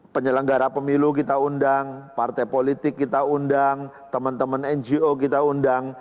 penyelenggara pemilu kita undang partai politik kita undang teman teman ngo kita undang